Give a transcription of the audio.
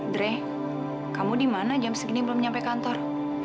dre kamu dimana jam segini belum nyampe kantor